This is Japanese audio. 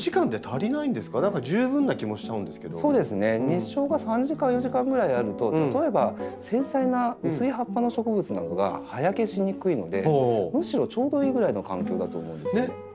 日照が３時間４時間ぐらいあると例えば繊細な薄い葉っぱの植物などが葉焼けしにくいのでむしろちょうどいいぐらいの環境だと思うんですね。